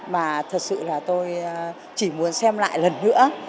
mà thật sự là tôi chỉ muốn xem lại lần nữa